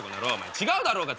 違うだろうが！